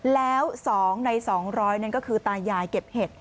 แล้ว๒ใน๒๐๐นั่นก็คือตายายเก็บเห็ด